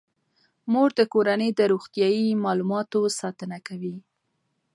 مور د کورنۍ د روغتیايي معلوماتو ساتنه کوي.